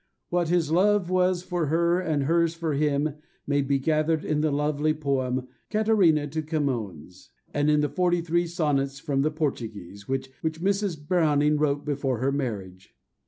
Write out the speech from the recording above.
What his love was for her and hers for him may be gathered in the lovely poem, "Caterina to Camoens," and in the forty three Sonnets from the Portuguese, which Mrs. Browning wrote before her marriage.